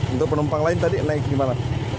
untuk penumpang lain tadi naik gimana